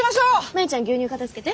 真夕ちゃん牛乳片づけて。